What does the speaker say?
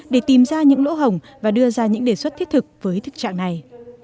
để tìm ra những lỗ hồng và đưa ra những đề xuất thiết thực với thức trạng này